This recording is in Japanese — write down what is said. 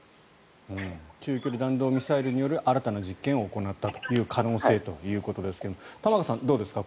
中距離弾道ミサイルによる新たな実験を行った可能性ということですが玉川さん、どうですか